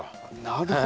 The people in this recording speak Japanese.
なるほど！